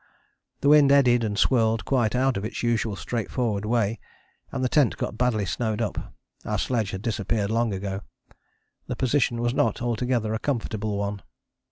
The wind eddied and swirled quite out of its usual straightforward way, and the tent got badly snowed up: our sledge had disappeared long ago. The position was not altogether a comfortable one.